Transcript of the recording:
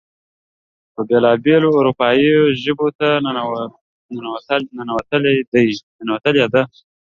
چې بېلا بېلو اروپايې ژبو ته ننوتلې ده.